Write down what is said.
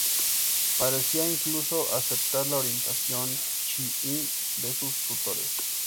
Parecía incluso aceptar la orientación chií de sus tutores.